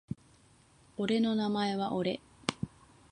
俺の名前は俺